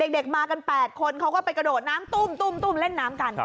เด็กมากัน๘คนเขาก็ไปกระโดดน้ำตุ้มเล่นน้ำกัน